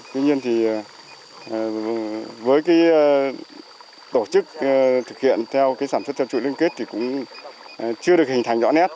tuy nhiên thì với cái tổ chức thực hiện theo sản xuất theo chuỗi liên kết thì cũng chưa được hình thành rõ nét